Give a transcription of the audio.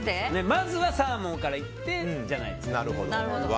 まずはサーモンからいってじゃないですか。